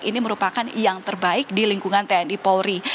ini merupakan yang terbaik di lingkungan tni polri